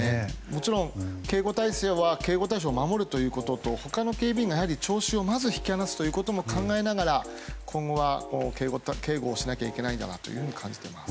もちろん警護態勢は警護対象を守るということと他の警備員がまず聴衆を引き離すということも考えながら今後は、警護をしなきゃいけないんだと感じています。